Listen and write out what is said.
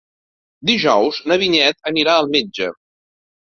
Dijous na Vinyet anirà al metge.